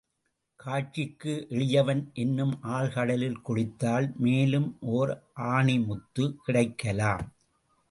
காட்சிக்கு எளியன் என்னும் ஆழ்கடலுள் குளித்தால் மேலும் ஓர் ஆணி முத்து கிடைக்கலாம்.